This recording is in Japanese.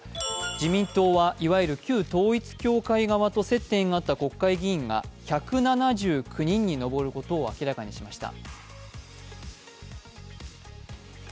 自民党はいわゆる旧統一教会側と接点があった国会議員が１７９人に上ることを明らかにしました。